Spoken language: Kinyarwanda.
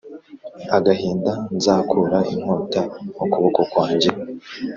agahinda Nzakura inkota ukuboko kwanjye